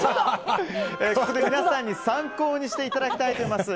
ここで、皆様に参考にしていただきたいと思います。